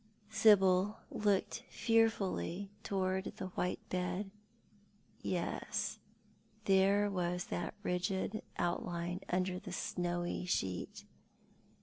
Sibyl looked fearfully towards the white bed. Yes, there was that rigid outline under the snowy sheet.